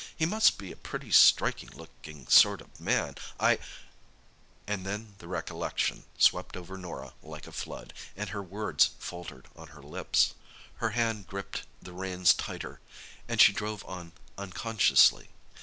He must be a pretty striking looking sort of old man. I—" And then recollection swept over Norah like a flood, and her words faltered on her lips. Her hand gripped the reins tighter, and she drove on unconsciously.